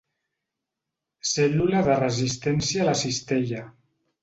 Cèl·lula de resistència a la cistella.